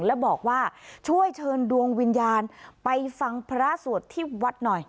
แล้วบอกว่าช่วยเชิญดวงวิญญาณไปฟังพระสวดที่วัดหน่อย